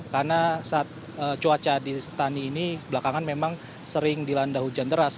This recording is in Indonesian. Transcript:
karena saat cuaca di setani ini belakangan memang sering dilanda hujan deras